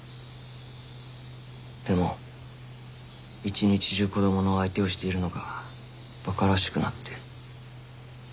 でも一日中子供の相手をしているのが馬鹿らしくなって。